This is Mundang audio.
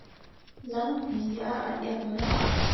Lak bii ah ɗyakkene ?